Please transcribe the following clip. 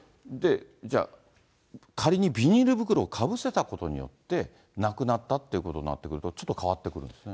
じゃあ仮にビニール袋をかぶせたことによって亡くなったっていうことになってくると、ちょっと変わってくるんですね。